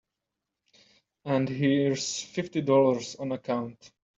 And here's fifty dollars on account.